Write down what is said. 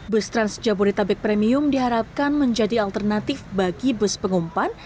bus transjabodetabek premium diharapkan menjadi alternatif bagi bus pengumpan